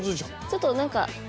ちょっとなんか。